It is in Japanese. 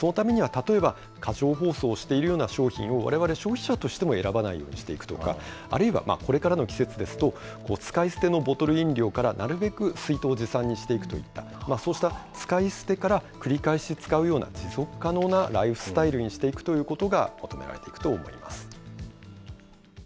そのためには、例えば、過剰包装しているような商品をわれわれ消費者としても選ばないようにしていくとか、あるいは、これからの季節ですと、使い捨てのボトル飲料からなるべく水筒持参にしていくといった、そうした使い捨てから、繰り返し使うような持続可能なライフスタイルにしていくということが求められていくと思いま